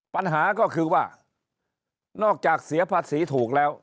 ปัญหาก็คือว่านอกจากเสียภาษีถูกแล้ว